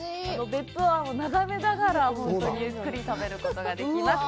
別府湾を眺めながら、ゆっくり食べることができます。